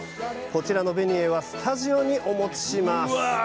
こちらのベニエはスタジオにお持ちしますうわ！